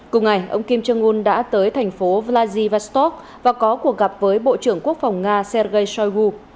cùng ngày ông kim jong un đã tới thành phố vladivostok và có cuộc gặp với bộ trưởng quốc phòng nga sergei shoigu